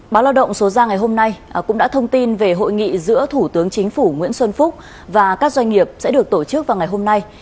báo lao động số ra ngày hôm nay cũng đã thông tin về hội nghị giữa thủ tướng chính phủ nguyễn xuân phúc và các doanh nghiệp sẽ được tổ chức vào ngày hôm nay